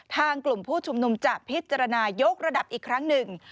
กลุ่มผู้ชุมนุมจะพิจารณายกระดับอีกครั้งหนึ่ง